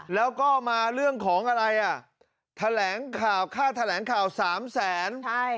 แล้วก็มาเรื่องของอะไรอ่ะแถลงข่าวค่าแถลงข่าวสามแสน